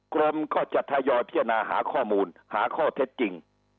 กรมก็จะทยอยพิจารณาหาข้อมูลหาข้อเท็จจริง